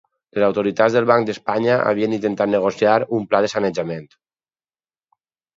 Les autoritats del Banc d'Espanya havien intentat negociar un pla de sanejament.